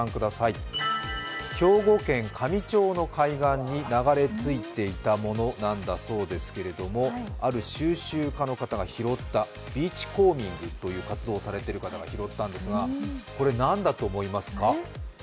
兵庫県香美町の海岸に流れ着いていたものなんだそうですけれどもある収集家の方が拾った、ビーチコーミングという活動をされている方が拾ったんですがこれ何だと思いますか？